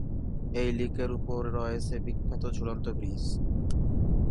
এই লেকের উপর রয়েছে বিখ্যাত ঝুলন্ত ব্রীজ।